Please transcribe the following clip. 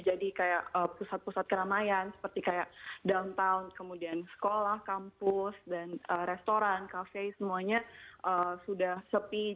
jadi kayak pusat pusat keramaian seperti kayak downtown kemudian sekolah kampus dan restoran kafe semuanya sudah sepi